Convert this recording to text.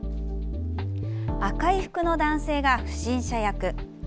赤い服の男性が不審者役。